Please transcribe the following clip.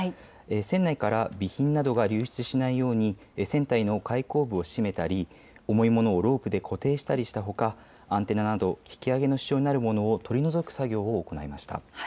船内から備品などが流出しないように船体の開口部を閉めたり、重いものをロープで固定したりしたほかアンテナなど引き揚げの支障になるものを取り除く作業を行いました。